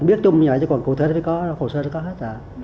biết chung như vậy chứ còn cụ thể nó phải có cụ sơ nó có hết rồi